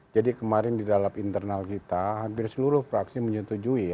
jadi kemarin di dalam internal kita hampir seluruh fraksi menyetujui ya